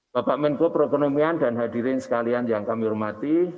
bapak ibu proekonomian dan hadirin sekalian yang kami hormati